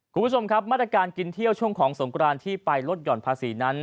คุณผู้ชมครับมาตรการกินเที่ยวช่วงของสงกรานที่ไปลดหย่อนภาษีนั้น